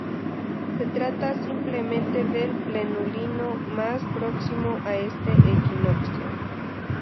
Se trata simplemente del plenilunio más próximo a este equinoccio.